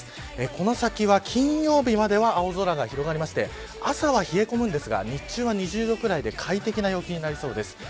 この先は金曜日までは青空が広がりまして朝は冷え込むんですが日中は２０度ぐらいで快適な陽気になりそうです。